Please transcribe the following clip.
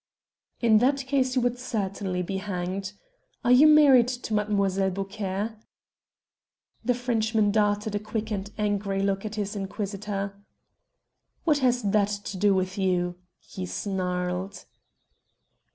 "In that case you would certainly be hanged. Are you married to Mademoiselle Beaucaire?" The Frenchman darted a quick and angry look at his inquisitor. "What has that to do with you?" he snarled.